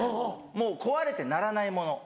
もう壊れて鳴らないもの。